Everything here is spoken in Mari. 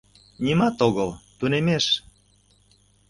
— Нимат огыл, тунемеш...